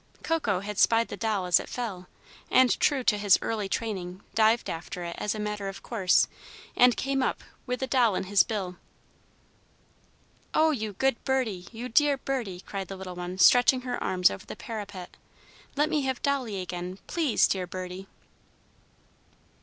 Coco had spied the doll as it fell, and, true to his early training, dived after it as a matter of course, and came up with the doll in his bill. "Oh, you good birdie! you dear birdie!" cried the little one, stretching her arms over the parapet. "Let me have Dolly again, please, dear birdie!"